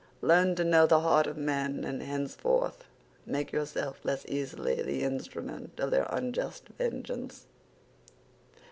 Learn to know the heart of men, and henceforth make yourself less easily the instrument of their unjust vengeance."